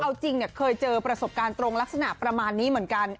เอาจริงเคยเจอประสบการณ์ตรงลักษณะประมาณนี้เหมือนกัน